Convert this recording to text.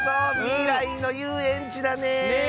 みらいのゆうえんちだね！